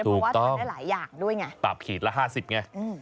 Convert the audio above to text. ถูกต้องเพราะว่าตับได้หลายอย่างด้วยไงตับขีดละ๕๐ไงอืม